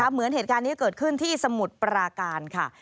เหมือนเหตุการณ์นี้เกิดขึ้นที่สมุทรปราการค่ะ